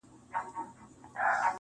د هندو او مرهټه په جنګ وتلی٫